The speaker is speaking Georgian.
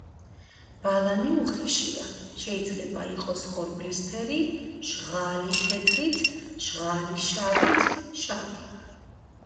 ბალანი უხეშია, შეიძლება იყოს ხორბლისფერი, ჟღალი თეთრით, ჟღალი შავით, შავი.